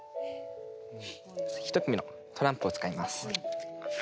一組のトランプを使います。